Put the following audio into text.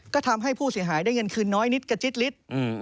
ก็ทำให้ผู้เสียหายได้เงินคืนน้อยนิดกระจิ๊ดลิตร